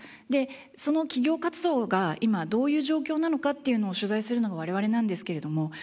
その企業活動が今どういう状況なのかっていうのを取材するのが我々なんですけれども。